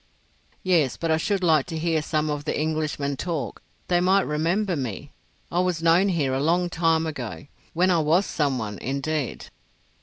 "Yes; but I should like to hear some of the Englishmen talk. They might remember me. I was known here a long time ago—when I was some one indeed."